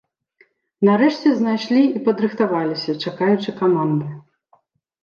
Нарэшце знайшлі і падрыхтаваліся, чакаючы каманды.